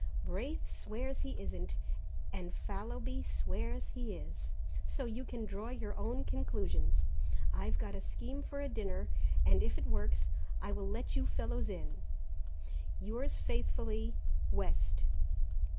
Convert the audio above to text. Braith swears he isn't, and Fallowby swears he is, so you can draw your own conclusions. I've got a scheme for a dinner, and if it works, I will let you fellows in. "Yours faithfully, "West.